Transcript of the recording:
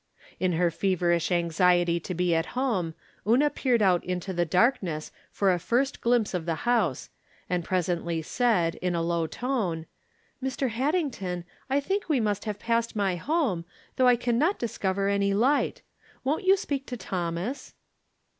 In her feverish anxiety to be at home, Una peered out into the darkness for a first glimpse of the house, and presently said, in a low tone :" Mr. Haddington, I think we must have pass ed my home, though I can not discover any light. Won't you speak to Thomas